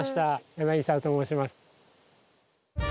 柳沢と申します。